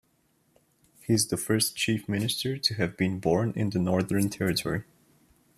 He is the first Chief Minister to have been born in the Northern Territory.